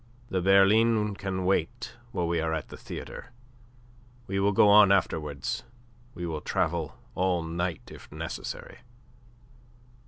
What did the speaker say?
The berline can wait while we are at the theatre. We will go on afterwards. We will travel all night if necessary."